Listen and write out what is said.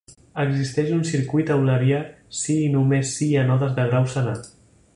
Existeix un circuit eulerià si i només si no hi ha nodes de grau senar.